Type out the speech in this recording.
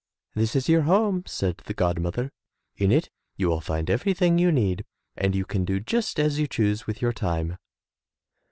"This is your home," said the god mother, "in it you will find everything you need and you can do just as you choose with your time."